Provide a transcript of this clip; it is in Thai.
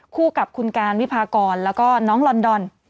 คู่กับคุณการวิพากรแล้วก็น้องลอนดอน